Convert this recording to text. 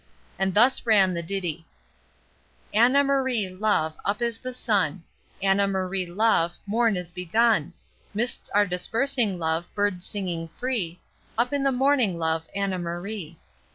And thus run the ditty:— Anna Marie, love, up is the sun, Anna Marie, love, morn is begun, Mists are dispersing, love, birds singing free, Up in the morning, love, Anna Marie.